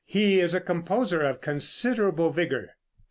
He is a composer of considerable vigor.